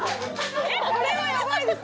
えっこれはやばいです。